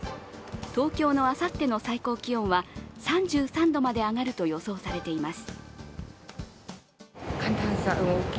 東京のあさっての最高気温は３３度まで上がると予想されています。